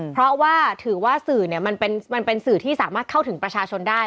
เพราะว่าถือว่าสื่อมันเป็นสื่อที่สามารถเข้าถึงประชาชนได้